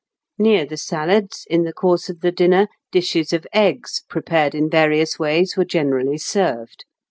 Near the salads, in the course of the dinner, dishes of eggs prepared in various ways were generally served.